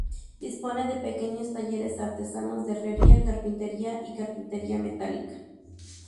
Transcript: Dispone de pequeños talleres artesanos de herrería, carpintería y carpintería metálica.